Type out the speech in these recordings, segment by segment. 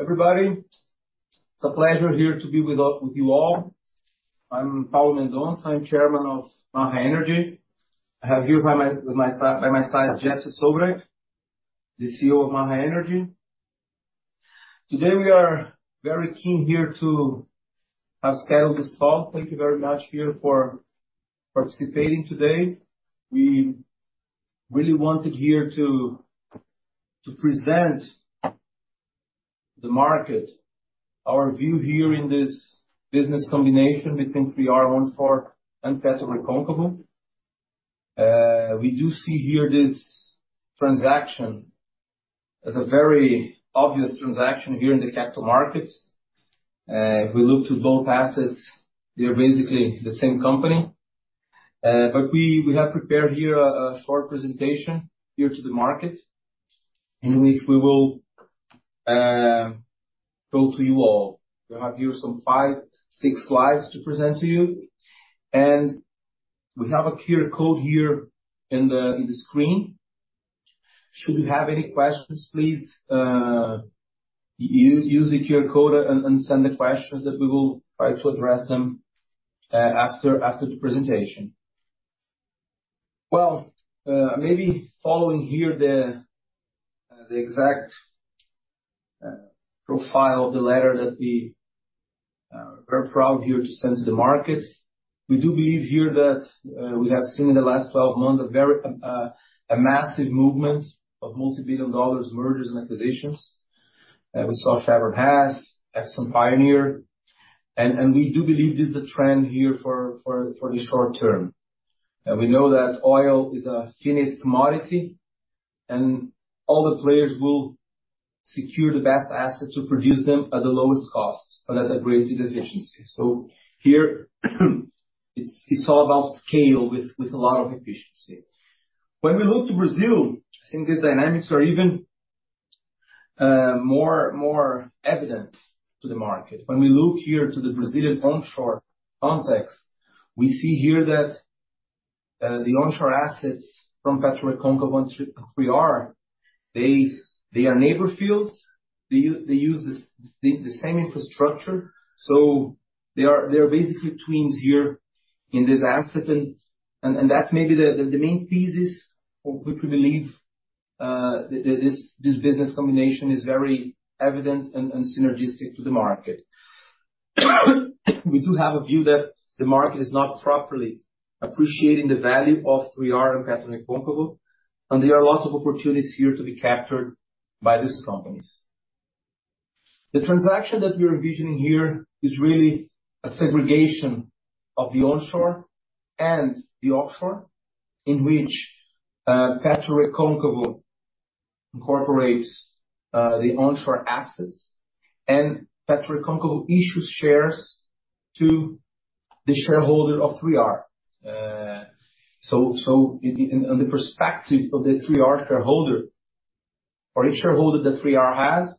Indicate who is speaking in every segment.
Speaker 1: Everybody, it's a pleasure here to be with all, with you all. I'm Paulo Mendonça. I'm Chairman of Maha Energy. I have here by my, with my side, by my side, Kjetil Solbraekke, the CEO of Maha Energy. Today, we are very keen here to have scheduled this call. Thank you very much here for participating today. We really wanted here to, to present the market, our view here in this business combination between 3R, onshore, and PetroRecôncavo. We do see here this transaction as a very obvious transaction here in the capital markets. If we look to both assets, they are basically the same company. But we, we have prepared here a, a short presentation here to the market, in which we will go through you all. We have here some five, six slides to present to you, and we have a QR code here in the screen. Should you have any questions, please, use the QR code and send the questions that we will try to address them after the presentation. Well, maybe following here the exact profile of the letter that we are very proud here to send to the market. We do believe here that we have seen in the last 12 months a very massive movement of multi-billion-dollar mergers and acquisitions. We saw Chevron Hess, Exxon Pioneer, and we do believe this is a trend here for the short term. We know that oil is a finite commodity, and all the players will secure the best assets to produce them at the lowest cost, but at a greater efficiency. Here, it's all about scale with a lot of efficiency. When we look to Brazil, I think the dynamics are even more evident to the market. When we look here to the Brazilian onshore context, we see here that the onshore assets from PetroRecôncavo and 3R, they are neighbor fields. They use the same infrastructure, so they are basically twins here in this asset, and that's maybe the main thesis of which we believe that this business combination is very evident and synergistic to the market. We do have a view that the market is not properly appreciating the value of 3R and PetroRecôncavo, and there are lots of opportunities here to be captured by these companies. The transaction that we are envisioning here is really a segregation of the onshore and the offshore, in which PetroRecôncavo incorporates the onshore assets, and PetroRecôncavo issues shares to the shareholder of 3R. So in the perspective of the 3R shareholder, for each shareholder that 3R has,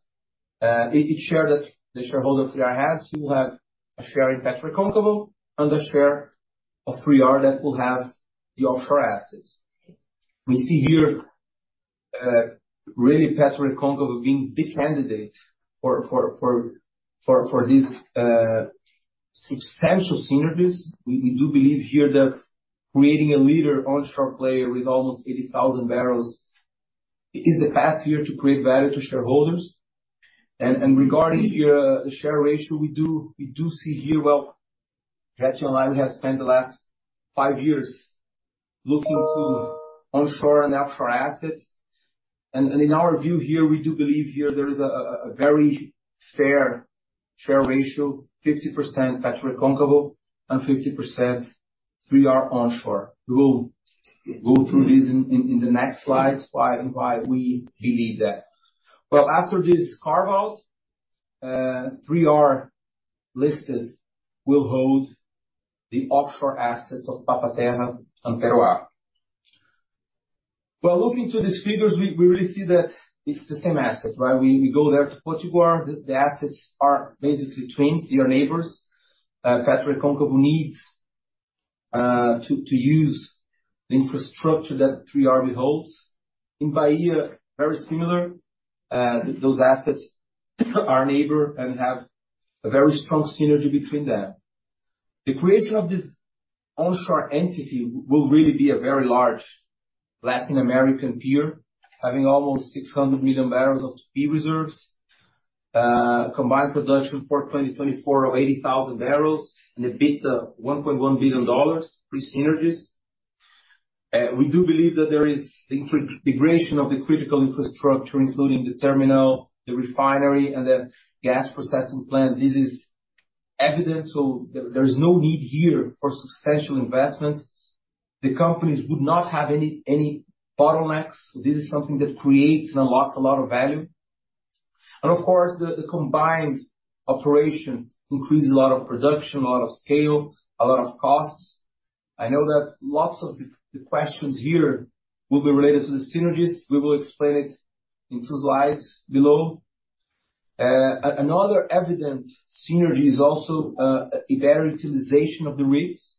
Speaker 1: each share that the shareholder 3R has, he will have a share in PetroRecôncavo and a share of 3R that will have the offshore assets. We see here really PetroRecôncavo being the candidate for this substantial synergies. We, we do believe here that creating a leader onshore player with almost 80,000 barrels is the path here to create value to shareholders. And, and regarding here, the share ratio, we do, we do see here, well, Kjetil and I, we have spent the last five years looking to onshore and offshore assets, and, and in our view here, we do believe here there is a very fair ratio, 50% PetroRecôncavo and 50% 3R onshore. We will go through this in, in the next slides, why and why we believe that. Well, after this carve-out, 3R listed, will hold the offshore assets of Papa-Terra and Peroá. Well, looking through these figures, we, we really see that it's the same asset, right? We, we go there to Potiguar, the assets are basically twins, they are neighbors. PetroRecôncavo needs to use the infrastructure that 3R holds. In Bahia, very similar, those assets are neighbor and have a very strong synergy between them. The creation of this onshore entity will really be a very large Latin American peer, having almost 600 million barrels of 2P reserves, combined production for 2024 of 80,000 barrels, and a bit of $1.1 billion pre-synergies. We do believe that there is the integration of the critical infrastructure, including the terminal, the refinery, and the gas processing plant. This is evident, so there, there's no need here for substantial investments. The companies would not have any bottlenecks. This is something that creates and unlocks a lot of value. And of course, the combined operation increases a lot of production, a lot of scale, a lot of costs. I know that lots of the questions here will be related to the synergies. We will explain it in two slides below. Another evident synergy is also a better utilization of the risks.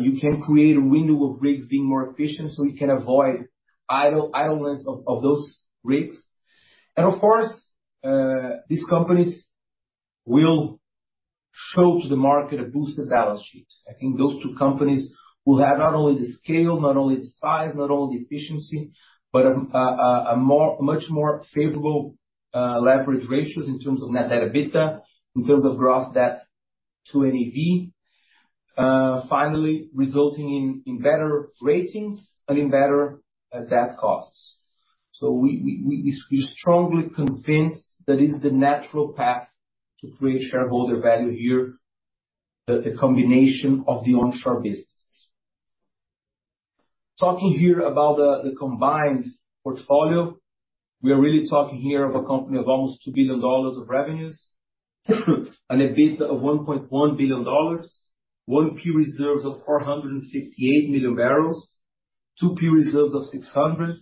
Speaker 1: You can create a window of rigs being more efficient, so you can avoid idle idleness of those rigs. And of course, these companies will show to the market a boosted balance sheet. I think those two companies will have not only the scale, not only the size, not only the efficiency, but a much more favorable leverage ratios in terms of net debt EBITDA, in terms of gross debt to NAV. Finally, resulting in better ratings and in better debt costs. So we strongly convinced that is the natural path to create shareholder value here, the combination of the onshore business. Talking here about the combined portfolio, we are really talking here of a company of almost $2 billion of revenues, and a EBITDA of $1.1 billion, 1P reserves of 458 million barrels, 2P reserves of 600.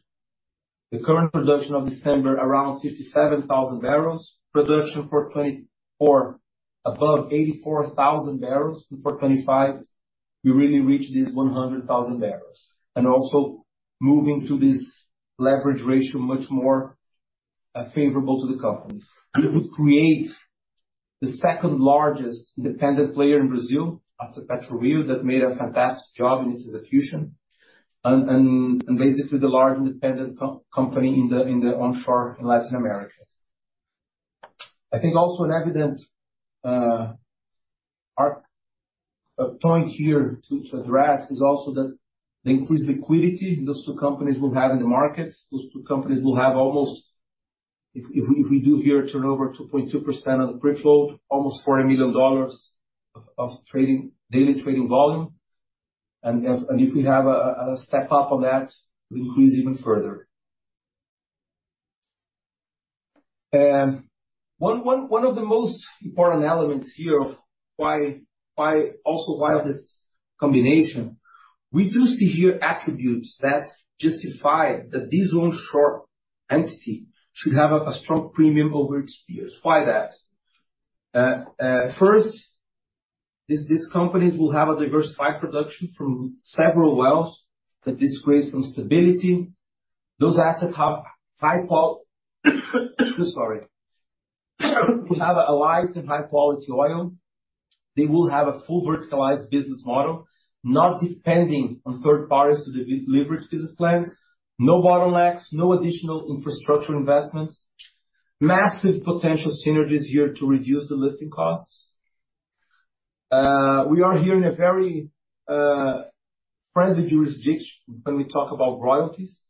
Speaker 1: The current production of December, around 57,000 barrels. Production for 2024, above 84,000 barrels, and for 2025, we really reach this 100,000 barrels. And also moving to this leverage ratio, much more favorable to the companies. It will create the second largest independent player in Brazil, after PetroRio, that made a fantastic job in its execution, and basically the large independent company in the onshore in Latin America. I think also an evident point here to address is also that the increased liquidity those two companies will have in the market. Those two companies will have almost. If we do here a turnover, 2.2% of the free float, almost $40 million of trading, daily trading volume, and if we have a step up on that, we increase even further. One of the most important elements here, of why also why this combination, we do see here attributes that justify that this onshore entity should have a strong premium over its peers. Why that? First, these companies will have a diversified production from several wells, that this creates some stability. Those assets have high qual- sorry. We have a light and high quality oil. They will have a full verticalized business model, not depending on third parties to deliver business plans, no bottlenecks, no additional infrastructure investments, massive potential synergies here to reduce the lifting costs. We are here in a very friendly jurisdiction when we talk about royalties.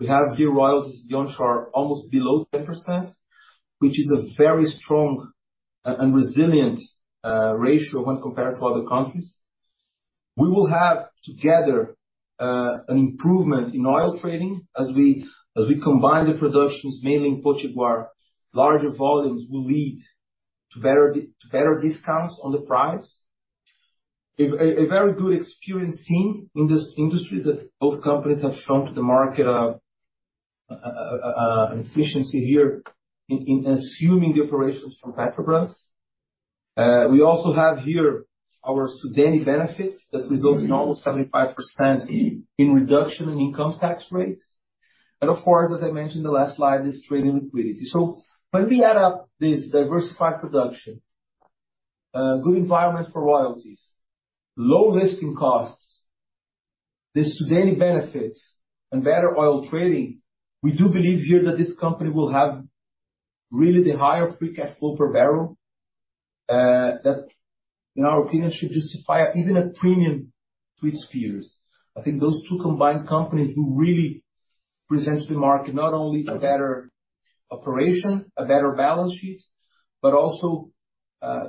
Speaker 1: We have here royalties onshore, almost below 10%, which is a very strong and resilient ratio when compared to other countries. We will have together an improvement in oil trading as we combine the productions, mainly in Potiguar, larger volumes will lead to better discounts on the price. A very good experience seen in this industry, that both companies have shown to the market, an efficiency here in assuming the operations from Petrobras. We also have here our SUDENE benefits, that result in almost 75% in reduction in income tax rates. And of course, as I mentioned, the last slide, is trading liquidity. So when we add up this diversified production, good environment for royalties, low lifting costs, the SUDENE benefits and better oil trading, we do believe here that this company will have really the higher free cash flow per barrel, that in our opinion, should justify even a premium to its peers. I think those two combined companies will really present to the market not only a better operation, a better balance sheet, but also,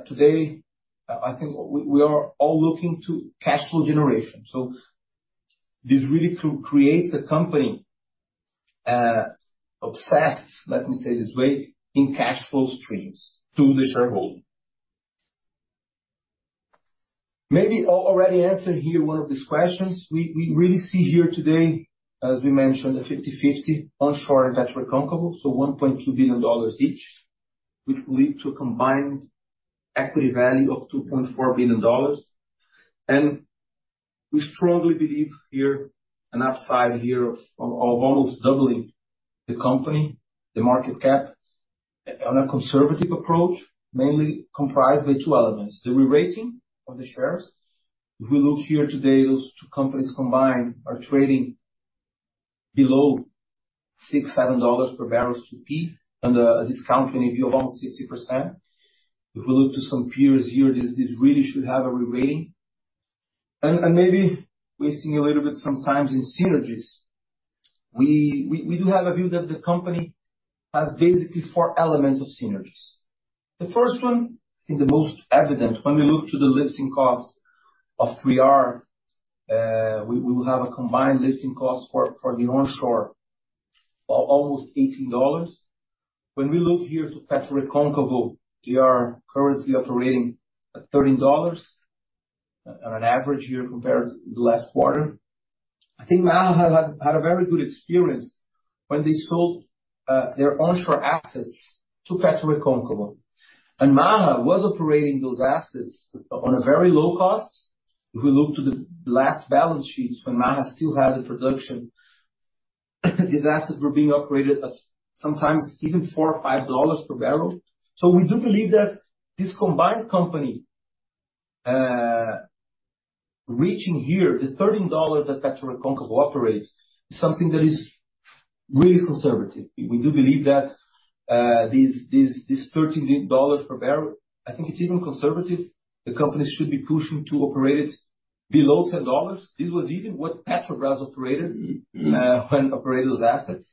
Speaker 1: today, I think we, we are all looking to cash flow generation. So this really to creates a company, obsessed, let me say this way, in cash flow streams to the shareholder. Maybe I already answered here one of these questions. We, we really see here today, as we mentioned, a 50/50 onshore PetroRecôncavo, so $1.2 billion each, which lead to a combined equity value of $2.4 billion. And we strongly believe here, an upside here of, of almost doubling the company, the market cap, on a conservative approach, mainly comprised by two elements: the re-rating of the shares. If we look here today, those two companies combined are trading below $6 to $7 per barrel 2P, and a discount can be of almost 60%. If we look to some peers here, this, this really should have a re-rating. And, and maybe wasting a little bit, sometimes in synergies, we, we, we do have a view that the company has basically four elements of synergies. The first one, I think the most evident, when we look to the lifting costs of 3R, we will have a combined lifting cost for the onshore, almost $18. When we look here to PetroRecôncavo, we are currently operating at $13 on an average year compared the last quarter. I think Maha had a very good experience when they sold their onshore assets to PetroRecôncavo. And Maha was operating those assets on a very low cost. If we look to the last balance sheets, when Maha still had the production, these assets were being operated at sometimes even $4 or $5 per barrel. So we do believe that this combined company, reaching here, the $13 that PetroRecôncavo operates, is something that is really conservative. We do believe that this $13 per barrel, I think it's even conservative. The company should be pushing to operate it below $10. This was even what Petrobras operated when operating those assets.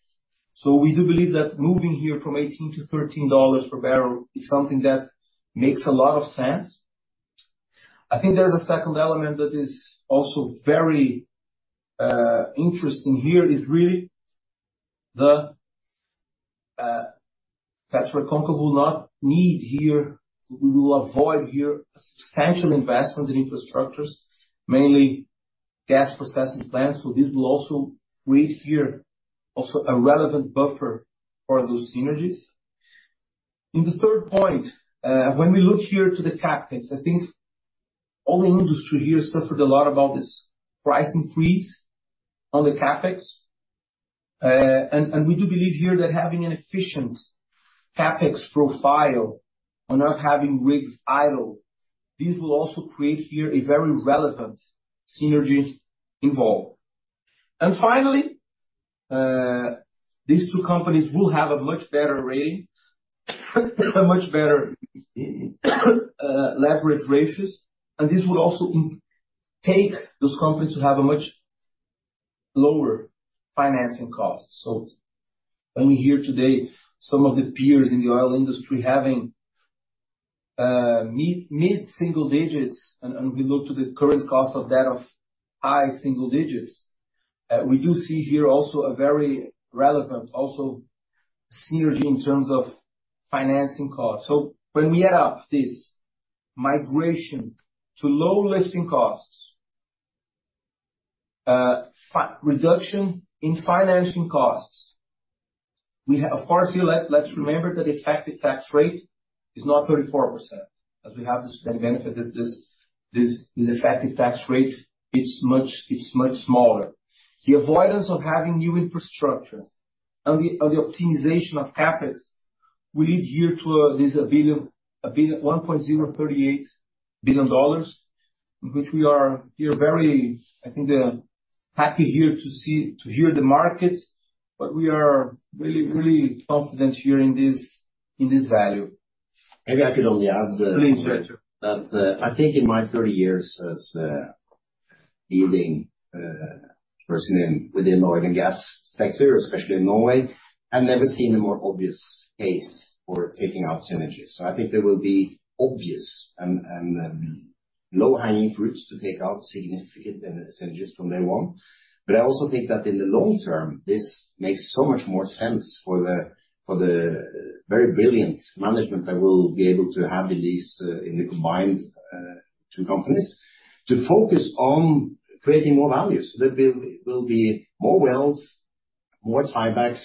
Speaker 1: So we do believe that moving here from $18-$13 per barrel is something that makes a lot of sense. I think there is a second element that is also very interesting here, is really the PetroRecôncavo will not need here. We will avoid here substantial investments in infrastructures, mainly gas processing plants. So this will also create here also a relevant buffer for those synergies. And the third point, when we look here to the CapEx, I think all the industry here suffered a lot about this price increase on the CapEx. And we do believe here that having an efficient CapEx profile on not having rigs idle, this will also create here a very relevant synergies involved. And finally, these two companies will have a much better rating, a much better, leverage ratios, and this would also take those companies to have a much lower financing costs. So when we hear today, some of the peers in the oil industry having, mid, mid-single digits, and, and we look to the current cost of that of high single digits, we do see here also a very relevant, also synergy in terms of financing costs. So when we add up this migration to low listing costs, reduction in financing costs, we have, of course, here, let's remember that effective tax rate is not 34%, as we have this, the benefit, this, the effective tax rate, it's much smaller. The avoidance of having new infrastructures and the optimization of CapEx will lead here to this $1.038 billion, which we are here very, I think, happy here to see to hear the market, but we are really, really confident here in this value.
Speaker 2: Maybe I could only add,
Speaker 1: Please, Kjetil.
Speaker 2: That, I think in my 30 years as leading person in within the oil and gas sector, especially in Norway, I've never seen a more obvious case for taking out synergies. So I think there will be obvious and low-hanging fruits to take out significant synergies from day one. But I also think that in the long term, this makes so much more sense for the very brilliant management that will be able to have the lease in the combined two companies, to focus on creating more values. There will be more wells, more tiebacks,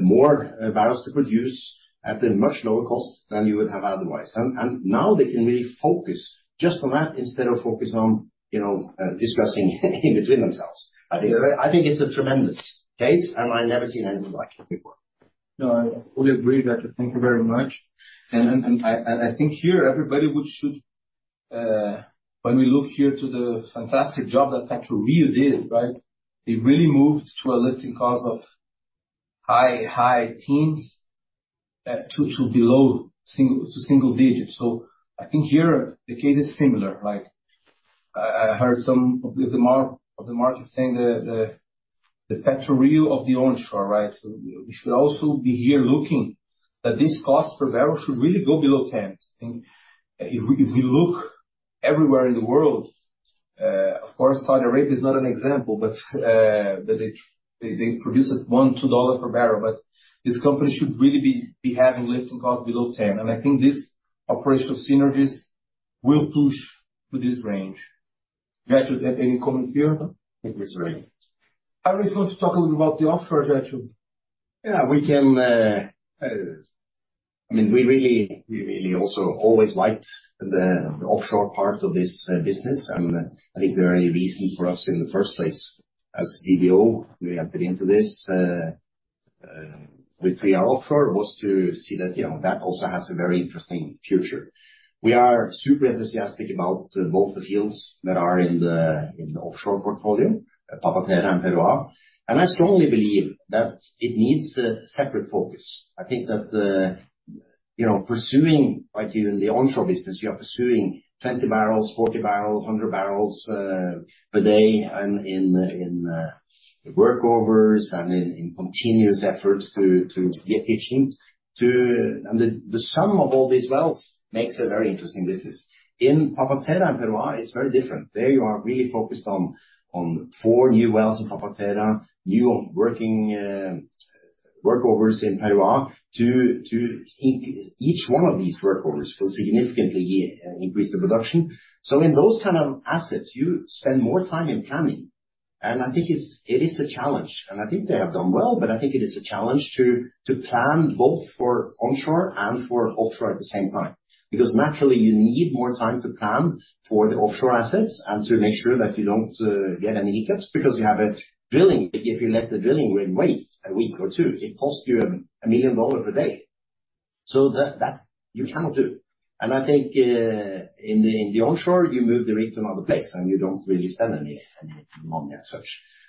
Speaker 2: more barrels to produce at a much lower cost than you would have otherwise. And now they can really focus just on that, instead of focusing on, you know, discussing in between themselves. I think, I think it's a tremendous case, and I've never seen anything like it before.
Speaker 1: No, I fully agree, Kjetil. Thank you very much. And I think here, everybody would, should, when we look here to the fantastic job that PetroRio did, right? It really moved to a lifting cost of high teens to below single to single digits. So I think here the case is similar, like, I heard some of the market saying the PetroRio of the onshore, right? So we should also be here looking at this cost per barrel should really go below $10. I think if we, if you look everywhere in the world, of course, Saudi Arabia is not an example, but that they produce it $1-$2 per barrel, but this company should really be having lifting costs below $10. I think this operational synergies will push to this range. Kjetil, do you have any comment here?
Speaker 2: Yes, right.
Speaker 1: I really want to talk a little about the offshore, Kjetil.
Speaker 2: Yeah, we can. I mean, we really, we really also always liked the offshore part of this business. And I think the only reason for us in the first place as DBO, we entered into this with 3R offshore, was to see that, you know, that also has a very interesting future. We are super enthusiastic about both the fields that are in the offshore portfolio, Papa-Terra and Peroá, and I strongly believe that it needs a separate focus. I think that, you know, pursuing, like in the onshore business, we are pursuing 20 barrels, 40 barrels, 100 barrels per day, and in workovers and in continuous efforts to get efficiency. And the sum of all these wells makes a very interesting business. In Papa-Terra and Peroá, it's very different. There you are really focused on four new wells in Papa-Terra, new workover workovers in Peroá to each one of these workovers will significantly increase the production. So in those kind of assets, you spend more time in planning, and I think it's, it is a challenge, and I think they have done well, but I think it is a challenge to plan both for onshore and for offshore at the same time. Because naturally, you need more time to plan for the offshore assets and to make sure that you don't get any hiccups because you have a drilling. If you let the drilling rig wait a week or two, it costs you $1 million per day. So that you cannot do. And I think in the onshore, you move the rig to another place, and you don't really spend any money as such.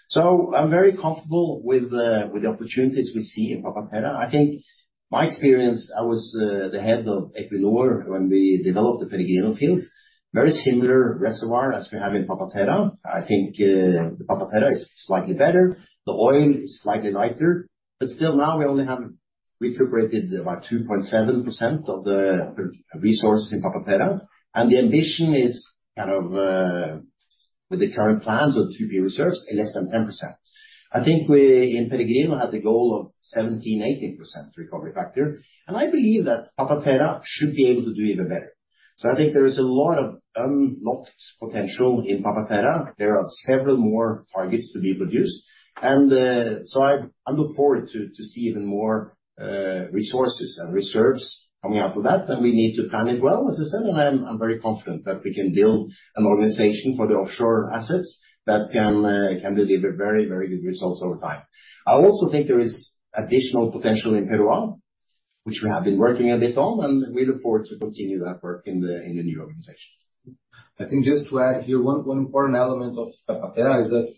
Speaker 2: So I'm very comfortable with the opportunities we see in Papa-Terra. I think my experience, I was, the head of Equinor when we developed the Peregrino field. Very similar reservoir as we have in Papa-Terra. I think, the Papa-Terra is slightly better, the oil is slightly lighter, but still now we only have recuperated about 2.7% of the resources in Papa-Terra. And the ambition is kind of, with the current plans of 2P reserves, less than 10%. I think we in Peregrino, had the goal of 17%-18% recovery factor, and I believe that Papa-Terra should be able to do even better. So I think there is a lot of unlocked potential in Papa-Terra. There are several more targets to be produced, and so I look forward to see even more resources and reserves coming out of that. We need to plan it well, as I said, and I'm very confident that we can build an organization for the offshore assets that can deliver very, very good results over time. I also think there is additional potential in Peroá, which we have been working a bit on, and we look forward to continue that work in the new organization.
Speaker 1: I think just to add here, one important element of Papa-Terra is that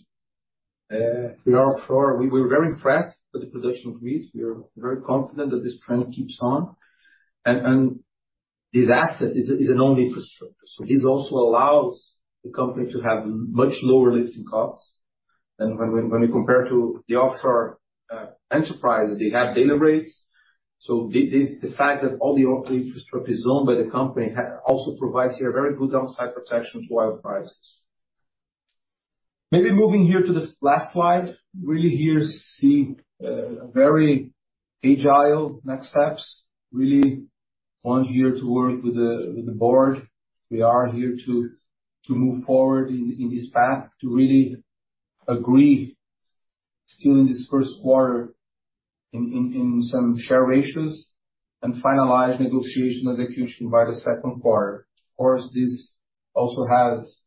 Speaker 1: we are offshore. We're very impressed with the production rates. We are very confident that this trend keeps on. And this asset is an only infrastructure. So this also allows the company to have much lower lifting costs than when we, when we compare to the offshore enterprise, they have daily rates. So this, this, the fact that all the infrastructure is owned by the company, also provides here a very good downside protection to oil prices. Maybe moving here to this last slide, really here see very agile next steps. Really want here to work with the, with the board. We are here to, to move forward in, in this path, to really agree still in this first quarter, in some share ratios and finalize negotiation execution by the second quarter. Of course, this also has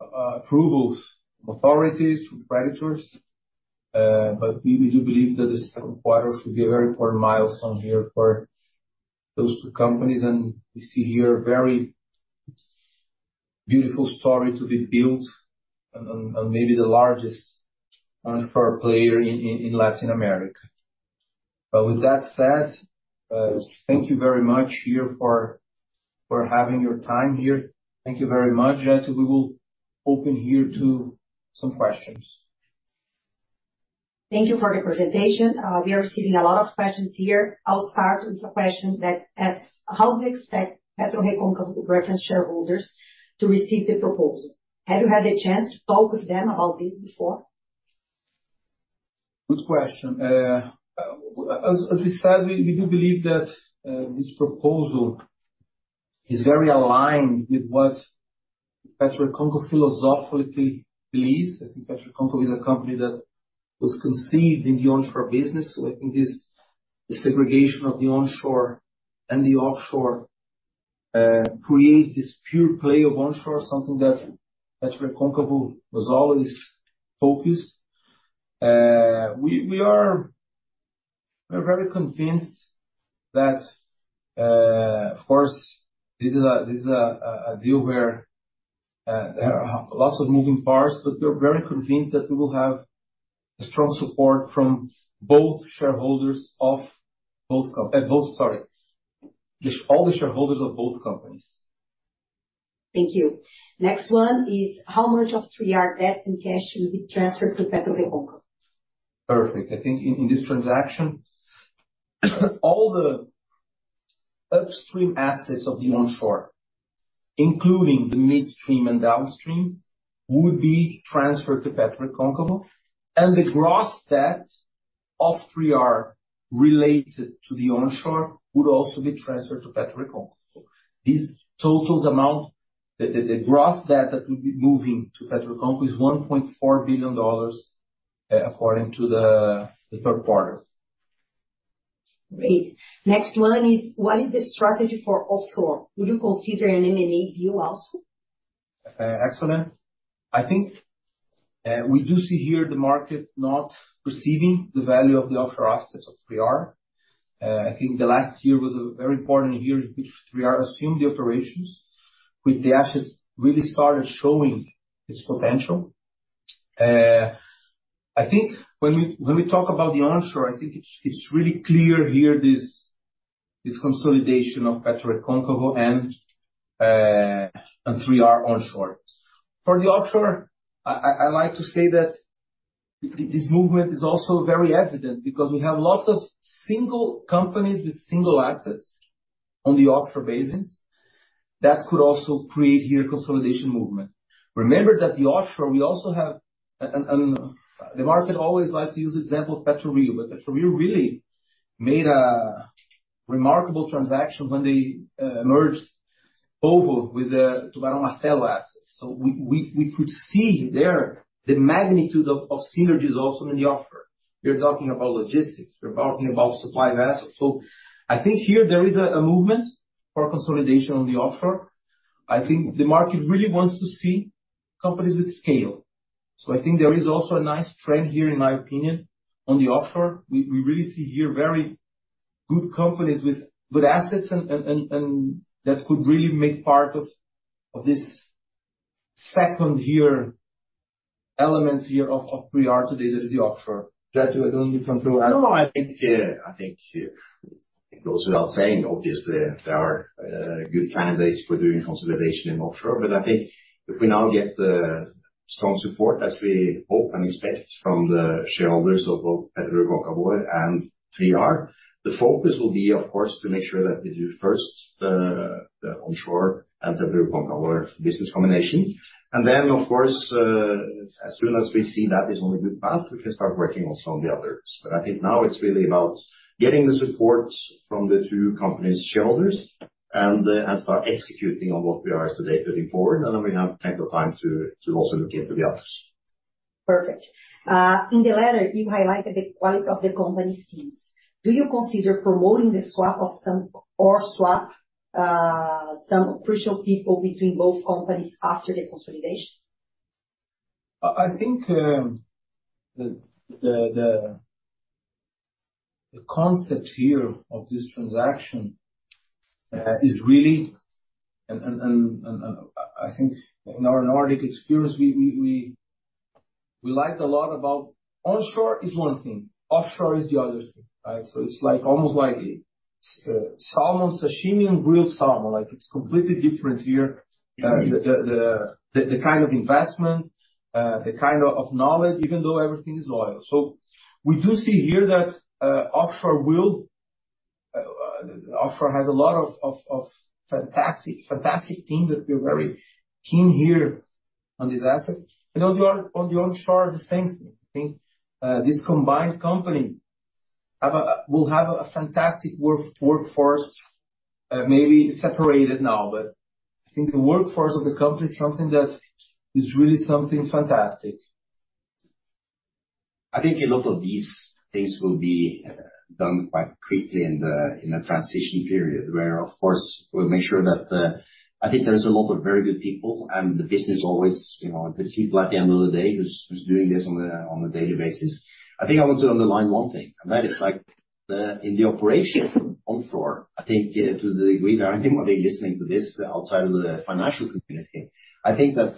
Speaker 1: approval from authorities, from creditors, but we do believe that the second quarter should be a very important milestone here for those two companies. And we see here a very beautiful story to be built on, maybe the largest onshore player in Latin America. But with that said, thank you very much for having your time here. Thank you very much, and we will open here to some questions.
Speaker 3: Thank you for the presentation. We are receiving a lot of questions here. I'll start with a question that asks: How do you expect PetroRecôncavo reference shareholders to receive the proposal? Have you had a chance to talk with them about this before?
Speaker 1: Good question. As we said, we do believe that this proposal is very aligned with what PetroRecôncavo philosophically believes. I think PetroRecôncavo is a company that was conceived in the onshore business. So I think this segregation of the onshore and the offshore creates this pure play of onshore, something that PetroRecôncavo was always focused. We are very convinced that, of course, this is a deal where there are lots of moving parts, but we're very convinced that we will have a strong support from both shareholders of both companies. Sorry, just all the shareholders of both companies.
Speaker 3: Thank you. Next one is: How much of 3R debt and cash will be transferred to PetroRecôncavo?
Speaker 1: Perfect. I think in this transaction, all the upstream assets of the onshore, including the midstream and downstream, would be transferred to PetroRecôncavo, and the gross debt of 3R related to the onshore would also be transferred to PetroRecôncavo. These totals amount, the gross debt that will be moving to PetroRecôncavo is $1.4 billion according to the third quarters.
Speaker 3: Great. Next one is: What is the strategy for offshore? Would you consider an M&A deal also?
Speaker 1: Excellent. I think we do see here the market not receiving the value of the offshore assets of 3R. I think the last year was a very important year in which 3R assumed the operations, with the assets really started showing its potential. I think when we talk about the onshore, I think it's really clear here, this consolidation of PetroRecôncavo and 3R onshore. For the offshore, I like to say that this movement is also very evident because we have lots of single companies with single assets on the offshore basins. That could also create here consolidation movement. Remember that the offshore, we also have the market always likes to use the example of PetroRio, but PetroRio really made a remarkable transaction when they merged over with the Tubarão Martelo assets. So we could see there the magnitude of synergies also in the offshore. You're talking about logistics, you're talking about supply vessels. So I think here there is a movement for consolidation on the offshore. I think the market really wants to see companies with scale. So I think there is also a nice trend here, in my opinion, on the offshore. We really see here very good companies with good assets and that could really make part of this second here elements here of 3R today, that is the offshore. That I don't need to come through?
Speaker 2: No, no, I think, I think it goes without saying, obviously, there are, good candidates for doing consolidation in offshore. But I think if we now get the strong support, as we hope and expect from the shareholders of both PetroRio and 3R, the focus will be, of course, to make sure that we do first, the, the onshore and PetroRio business combination. And then, of course, as soon as we see that is on a good path, we can start working also on the others. But I think now it's really about getting the support from the two companies' shareholders and, and start executing on what we are today, looking forward, and then we have plenty of time to, to also look into the others.
Speaker 3: Perfect. In the letter, you highlighted the quality of the company's teams. Do you consider promoting the swap of some crucial people between both companies after the consolidation?
Speaker 1: I think the concept here of this transaction is really, and I think in our Nordic experience, we liked a lot about onshore is one thing, offshore is the other thing, right? So it's like, almost like, salmon sashimi and grilled salmon. Like, it's completely different here. The kind of investment, the kind of knowledge, even though everything is oil. So we do see here that offshore has a lot of fantastic team that we're very keen here on this asset. And on the onshore, the same thing, I think. This combined company will have a fantastic workforce, maybe separated now, but I think the workforce of the company is something that is really something fantastic.
Speaker 2: I think a lot of these things will be done quite quickly in the transition period, where, of course, we'll make sure that I think there's a lot of very good people, and the business always, you know, the people at the end of the day, who's doing this on a daily basis. I think I want to underline one thing, and that is like the operation onshore, I think to the degree that I think might be listening to this outside of the financial community, I think that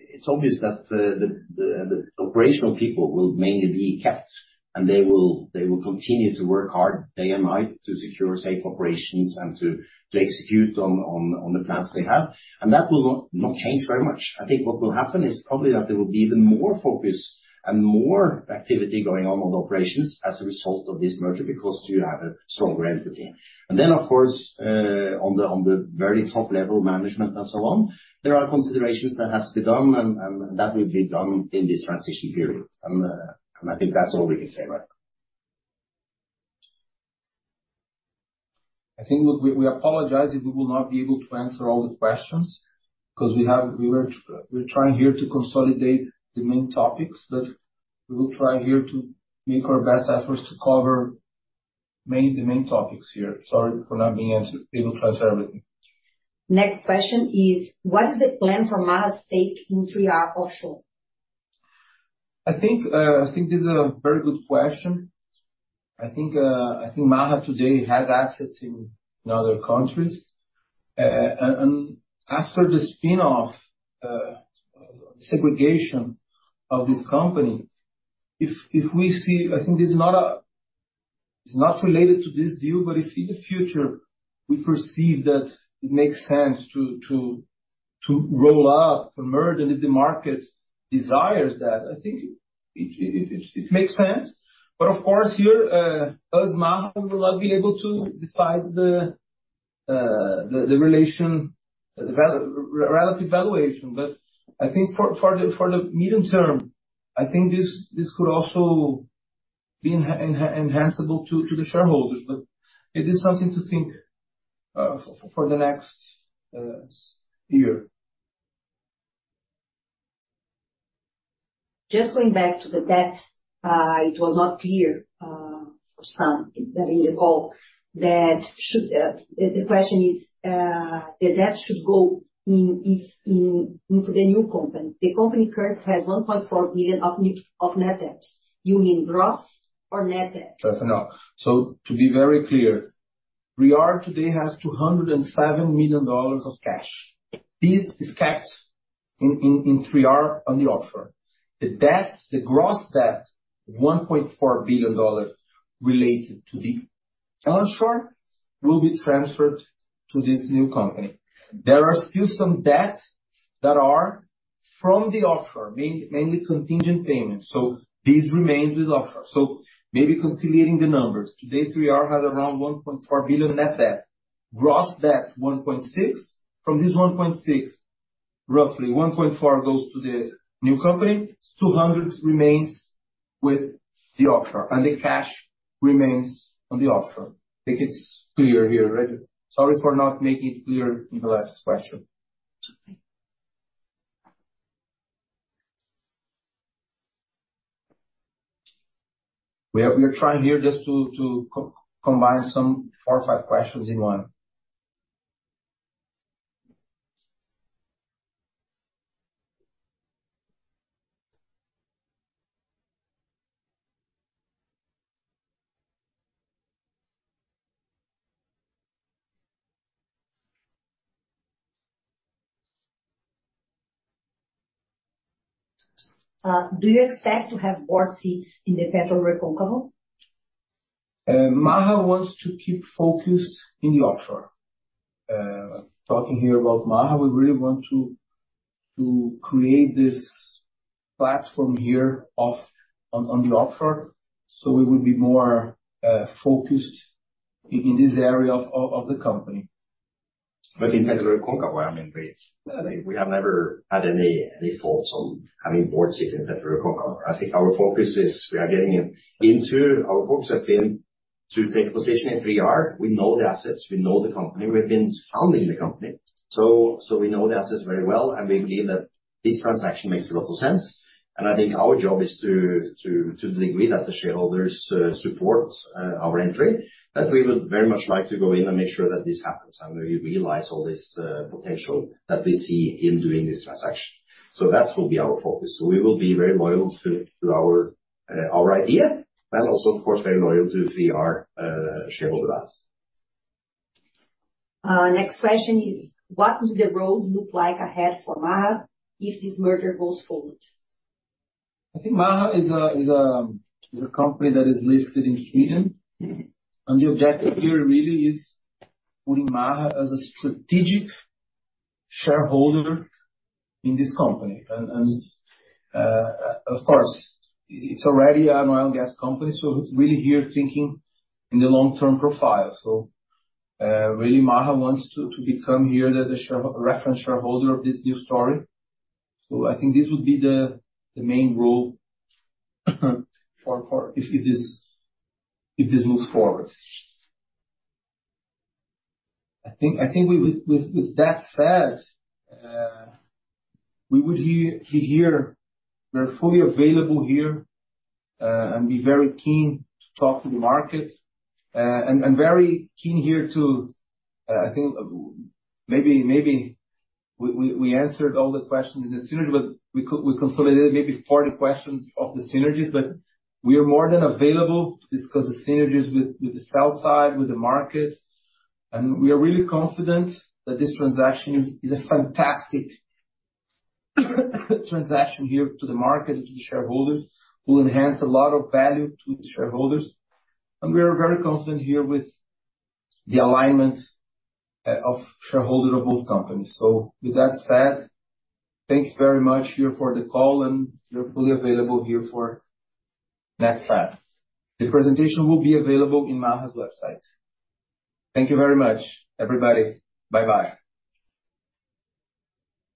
Speaker 2: it's obvious that the operational people will mainly be kept, and they will continue to work hard, day and night, to secure safe operations and to execute on the plans they have. And that will not change very much. I think what will happen is probably that there will be even more focus and more activity going on the operations as a result of this merger, because you have a stronger entity. And then, of course, on the very top level management and so on, there are considerations that has to be done, and that will be done in this transition period. And I think that's all we can say right now.
Speaker 1: I think we apologize if we will not be able to answer all the questions, 'cause we're trying here to consolidate the main topics, but we will try here to make our best efforts to cover mainly the main topics here. Sorry for not being able to answer everything.
Speaker 3: Next question is: What is the plan for Maha stake in 3R Offshore?
Speaker 1: I think, I think this is a very good question. I think, I think Maha today has assets in other countries. And after the spin-off, segregation of this company, if we see... I think this is not. It's not related to this deal, but if in the future we perceive that it makes sense to roll up, to merge, and if the market desires that, I think it makes sense. But of course, here, us, Maha, will not be able to decide the relative valuation. But I think for the medium term, I think this could also be enhanceable to the shareholders, but it is something to think for the next year.
Speaker 3: Just going back to the debt, it was not clear for some in the call that should, the question is, the debt should go in, if in, into the new company. The company currently has $1.4 billion of net debt. You mean gross or net debt?
Speaker 1: Fair enough. So to be very clear, 3R today has $207 million of cash. This is kept in 3R on the offshore. The debt, the gross debt, $1.4 billion related to the onshore, will be transferred to this new company. There are still some debt that are from the offshore, mainly contingent payments, so these remains with offshore. So maybe consolidating the numbers. Today, 3R has around $1.4 billion net debt, gross debt $1.6 billion. From this $1.6 billion, roughly $1.4 billion goes to the new company, $200 million remains with the offshore, and the cash remains on the offshore. I think it's clear here, right? Sorry for not making it clear in the last question. We are trying here just to combine some four or five questions in one.
Speaker 3: Do you expect to have board seats in the PetroRecôncavo?
Speaker 1: Maha wants to keep focused in the offshore. Talking here about Maha, we really want to create this platform here offshore, so we will be more focused in this area of the company.
Speaker 2: But in PetroRecôncavo, I mean, we have never had any thoughts on having board seat in PetroRecôncavo. I think our focus is we are getting in, into our focus have been to take a position in 3R. We know the assets, we know the company, we've been founding the company. So we know the assets very well, and we believe that this transaction makes a lot of sense. And I think our job is to the degree that the shareholders support our entry, that we would very much like to go in and make sure that this happens, and we realize all this potential that we see in doing this transaction. So that will be our focus. So we will be very loyal to our idea, and also, of course, very loyal to 3R shareholders.
Speaker 3: Next question is, what does the road look like ahead for Maha if this merger goes forward?
Speaker 1: I think Maha is a company that is listed in Sweden, and the objective here really is putting Maha as a strategic shareholder in this company. And, of course, it's already an oil and gas company, so it's really here thinking in the long term profile. So, really, Maha wants to become here the reference shareholder of this new story. So I think this would be the main role, for if this moves forward. I think with that said, we're fully available here and be very keen to talk to the market, and very keen here to—I think maybe we answered all the questions in the synergy, but we consolidated maybe 40 questions of the synergies, but we are more than available to discuss the synergies with the sell side, with the market. We are really confident that this transaction is a fantastic transaction here to the market, to the shareholders. It will enhance a lot of value to the shareholders, and we are very confident here with the alignment of shareholders of both companies. With that said, thank you very much here for the call, and we're fully available here for next steps. The presentation will be available in Maha's website. Thank you very much, everybody. Bye-bye.